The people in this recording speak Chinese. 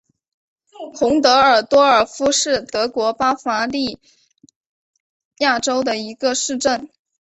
洪德尔多尔夫是德国巴伐利亚州的一个市镇。